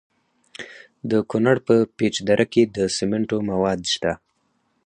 د کونړ په پیچ دره کې د سمنټو مواد شته.